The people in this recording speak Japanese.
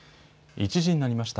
１時になりました。